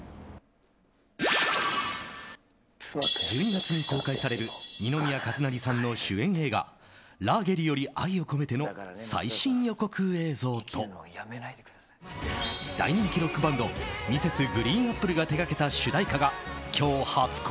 １２月に公開される二宮和也さんの主演映画「ラーゲリより愛を込めて」の最新予告映像と大人気ロックバンドＭｒｓ．ＧＲＥＥＮＡＰＰＬＥが妻と約束したんですよ。